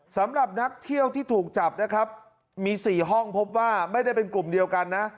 สำหรับนักเที่ยวที่ถูกจับนะครับมี๔ห้องพบว่าไม่ได้เป็นกลุ่มเดียวกันนะ